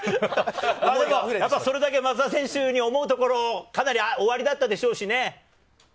それだけ松田選手に思うところ、かなりおありだったでしょうしね。